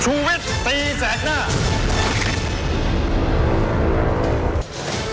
ชุวิตตีแสดหน้า